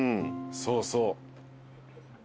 そうそう。